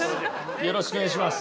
よろしくお願いします。